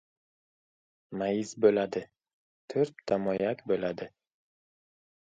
Mayiz bo‘ladi, to‘rtta moyak bo‘ladi.